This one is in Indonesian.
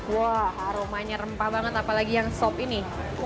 wah aromanya rempah banget apalagi yang sop ini